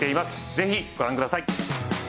ぜひご覧ください。